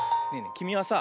きみはさ